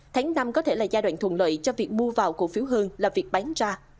tháng năm có thể là giai đoạn thuận lợi cho việc mua vào cổ phiếu hơn là việc bán ra